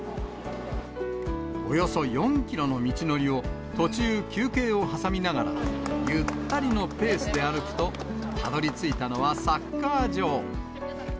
およそ４キロの道のりを途中、休憩を挟みながら、ゆったりのペースで歩くと、たどりついたのは、サッカー場。